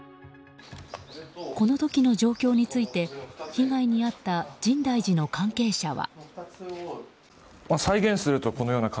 この時の状況について被害に遭った深大寺の関係者は。